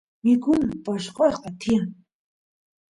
mikuna poshqoshqa tiyan